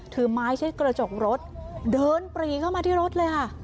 ถือไม้เช็ดกระจกรถเดินปรีเข้ามาที่รถเลยค่ะ